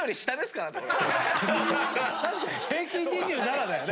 確かに平均２７だよね。